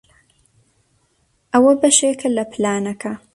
ئەوە بەشێکە لە پلانەکە.